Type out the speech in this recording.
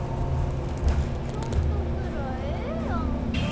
ちょっとぐらいええやんか。